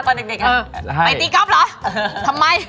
ไปตีก๊อบเหรอทำไม